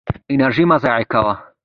انرژي مه ضایع کوه.